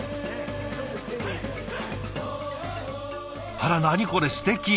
あら何これすてき。